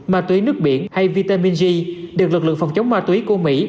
ma túy nước biển hay vitamin g được lực lượng phòng chống ma túy của mỹ